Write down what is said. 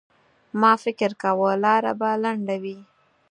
ما فکر کاوه لاره به لنډه وي.